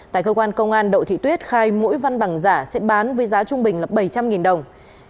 tại cơ quan công an đậu thị tuyết khai mỗi văn bằng giả sẽ bán với giá trung bình là bảy trăm linh đồng